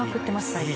最近。